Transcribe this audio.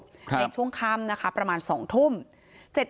ในช่วงคำนะคะประมาณ๒ถึง